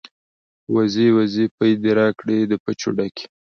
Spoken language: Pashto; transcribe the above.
ـ وزې وزې پۍ دې راکړې د پچو ډکې.